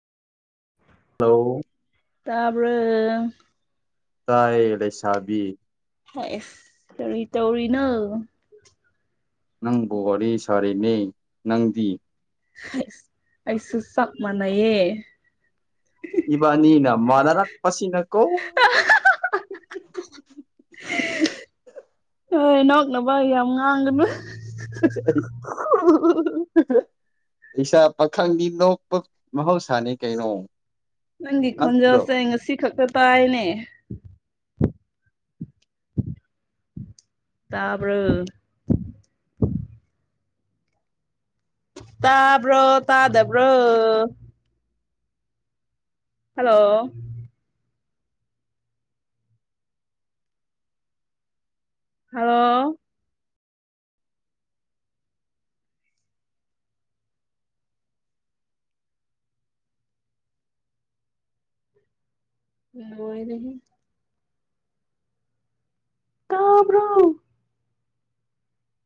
hello ꯇꯥꯕ꯭ꯔ ꯇꯥꯏ ꯂꯩꯁꯥꯕꯤ ꯍ ꯑꯁ ꯀꯧꯔꯤ ꯇꯧꯔꯤꯅ ꯅꯪ ꯕ ꯋꯥꯔꯤ ꯁꯥꯔꯤꯅꯦ ꯅꯪꯗꯤ ꯑꯩꯁꯨ ꯆꯞ ꯃꯥꯅꯩꯑꯦ ꯏꯕꯥꯅꯤꯅ ꯃꯥꯅꯔꯠꯄꯁꯤꯅ ꯀꯣ ꯎ ꯑ ꯅꯣꯅꯕ ꯌꯥꯝ ꯉꯥꯡꯒꯅꯨ ꯍꯍꯍꯍꯨꯍꯨꯍꯨ ꯏꯁꯥ ꯄꯥꯈꯪꯒꯤ ꯅꯣꯛꯄ ꯃꯍꯧꯁꯥꯅꯤ ꯀꯩꯅꯣ ꯅꯪꯒꯤ ꯅꯠꯇ꯭ꯔꯣ ꯈꯣꯟꯖꯥꯁꯦ ꯉꯁꯤ ꯈꯛꯇ ꯇꯥꯏꯅꯦ ꯇꯥꯕ꯭ꯔ ꯇꯥꯕ꯭ꯔꯣ ꯇꯥꯗꯕ꯭ꯔꯣ ꯍꯜꯂꯣ ꯍꯣ ꯎ ꯑꯣꯏꯣꯏꯔ ꯇꯥꯕ꯭ꯔꯣ